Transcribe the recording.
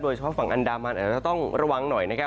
เฉพาะฝั่งอันดามันอาจจะต้องระวังหน่อยนะครับ